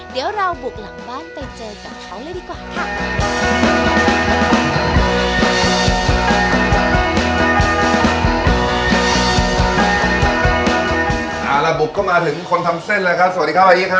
เดี๋ยวเราบุกหลังบ้านไปเจอกับเขาเลยดีกว่าค่ะ